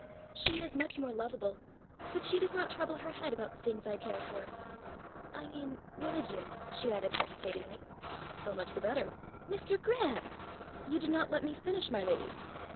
"She is much more lovable; but she does not trouble her head about the things I care for. I mean religion," she added hesitatingly. "So much the better, " "Mr. Grant!" "You did not let me finish, my lady!